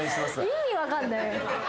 意味分かんない。